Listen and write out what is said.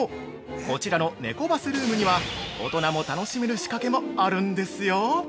こちらのネコバスルームには大人も楽しめる仕掛けもあるんですよ。